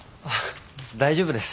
大丈夫です。